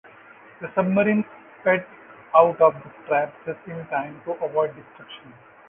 The submarine sped out of the trap just in time to avoid destruction.